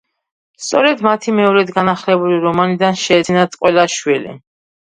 სწორედ მათი მეორედ განახლებული რომანიდან შეეძინათ ყველა შვილი.